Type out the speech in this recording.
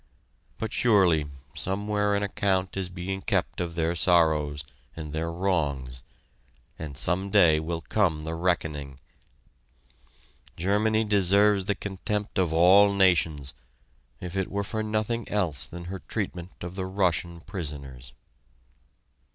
But surely, somewhere an account is being kept of their sorrows and their wrongs, and some day will come the reckoning! Germany deserves the contempt of all nations, if it were for nothing else than her treatment of the Russian prisoners.